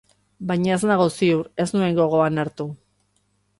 Baina ez nago ziur, ez nuen gogoan hartu.